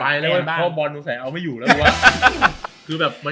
ไปเลยพ่อบอลลูกใส่เอาไม่อยู่แล้ววะ